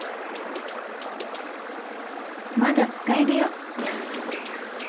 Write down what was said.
まだ使えるよ。